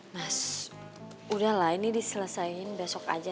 mas udahlah ini diselesaiin besok aja